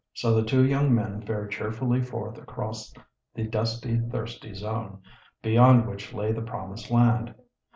So the two young men fared cheerfully forth across the dusty, thirsty zone, beyond which lay the Promised Land.